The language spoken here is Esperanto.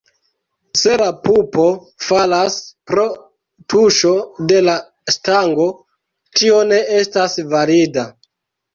Se la pupo falas pro tuŝo de la stango, tio ne estas valida.